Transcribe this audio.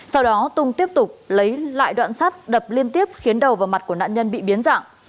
sau đó tùng tiếp tục lấy lại đoạn sắt đập liên tiếp khiến đầu vào mặt của nạn nhân bị biến dạng